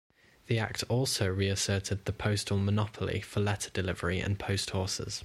The Act also reasserted the postal monopoly for letter delivery and for post horses.